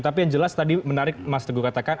tapi yang jelas tadi menarik mas teguh katakan